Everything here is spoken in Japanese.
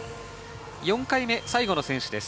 ４回目最後の選手です。